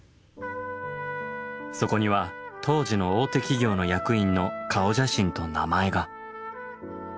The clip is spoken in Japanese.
そこには当時の大手企業の役員の顔写真と名前が。